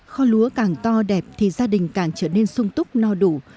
kho lúa càng to đẹp thì gia đình càng trở nên sung túc no đủ